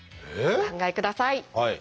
お考えください。